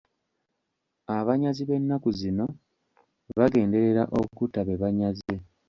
Abanyazi b'ennaku zino bagenderera okutta be banyaze.